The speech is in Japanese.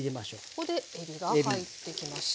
ここでえびが入ってきました。